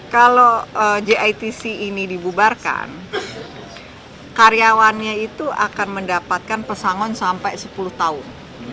kalau jitc ini dibubarkan karyawannya itu akan mendapatkan pesangon sampai sepuluh tahun